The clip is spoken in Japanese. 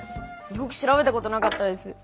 よく調べたことなかったです。